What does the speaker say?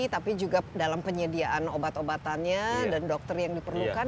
tapi juga dalam penyediaan obat obatannya dan dokter yang diperlukan